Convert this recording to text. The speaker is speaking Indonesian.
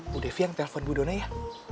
bu devi yang telpon bu dona ya